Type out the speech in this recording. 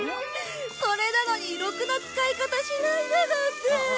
それなのにろくな使い方しないだなんて！